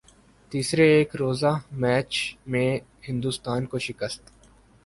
تیسرے ایک روزہ میچ میں ہندوستان کو شکست